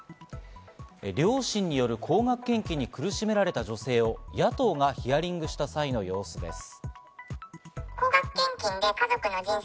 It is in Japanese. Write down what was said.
両親による高額献金に苦しめられた女性を野党がヒアリングした際の様子です。